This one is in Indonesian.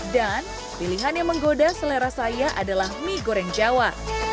dan pilihan yang menggoda selera saya adalah mie goreng jawa